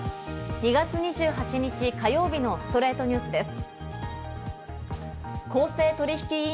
２月２８日、火曜日の『ストレイトニュース』です。